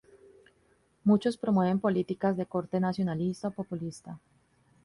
Muchos promueven políticas de corte nacionalista o populista.